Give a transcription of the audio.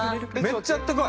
めっちゃあったかい。